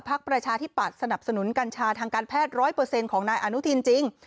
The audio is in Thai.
ประชาธิปัตย์สนับสนุนกัญชาทางการแพทย์๑๐๐ของนายอนุทินจริง